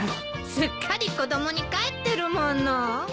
すっかり子供に帰ってるもの。